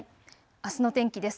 あすの天気です。